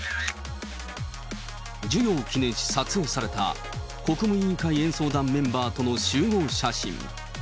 授与を記念し撮影された、国務委員会演奏団メンバーとの集合写真。